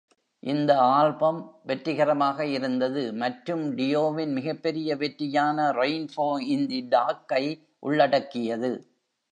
இந்த ஆல்பம் வெற்றிகரமாக இருந்தது மற்றும் டியோவின் மிகப்பெரிய வெற்றியான "ரெயின்போ இன் தி டார்க்" ஐ உள்ளடக்கியது.